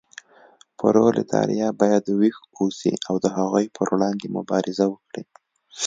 پرولتاریا باید ویښ اوسي او د هغوی پر وړاندې مبارزه وکړي.